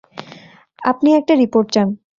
আপনি একটা রিপোর্ট চান।